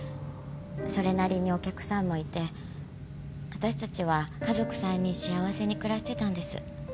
それなりにお客さんもいて私たちは家族３人幸せに暮らしていたんです。